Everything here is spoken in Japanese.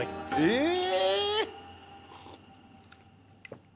ええ⁉